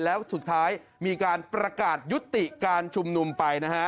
แล้วสุดท้ายมีการประกาศยุติการชุมนุมไปนะฮะ